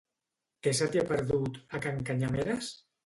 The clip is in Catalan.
Què se t'hi ha perdut, a Can Canyameres?